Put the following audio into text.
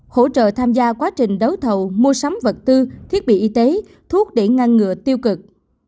hỗ trợ tham gia quá trình đấu thầu mua sắm vật tư thiết bị y tế thuốc để ngăn ngừa tiêu cực